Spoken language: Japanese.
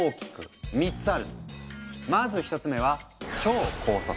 まず１つ目は「超高速」。